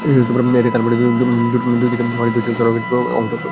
এতে কালভার্টের দুই দিকে মাটি ধসে সড়কের পিচঢালা অংশ পর্যন্ত এসে পড়েছে।